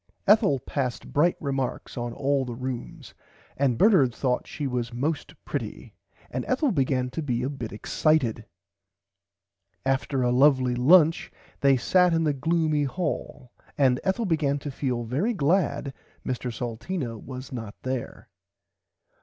Ethel passed bright remarks on all the rooms and Bernard thourght she was most pretty and Ethel began to be a bit excited. After a lovly lunch they sat in the gloomy hall and Ethel began to feel very glad Mr Salteena was not there.